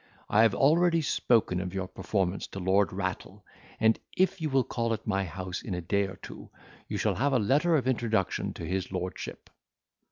I have already spoken of your performance to Lord Rattle, and if you will call at my house in a day or two, you shall have a letter of introduction to his lordship."